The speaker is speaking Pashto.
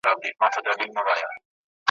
د سپینو ژړو او د سرو ګلونو `